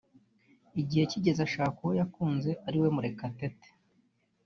igihe kigeze ashaka uwo yakunze ariwe Murekatete